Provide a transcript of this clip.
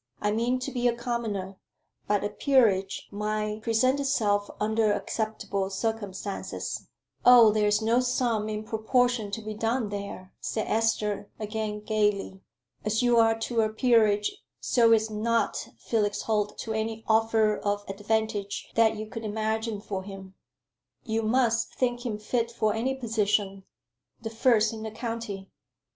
I mean to be a commoner; but a peerage might present itself under acceptable circumstances." "Oh, there is no sum in proportion to be done there," said Esther, again gaily. "As you are to a peerage so is not Felix Holt to any offer of advantage that you could imagine for him." "You must think him fit for any position the first in the county."